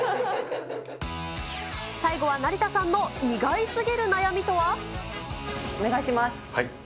最後は成田さんの意外すぎるお願いします。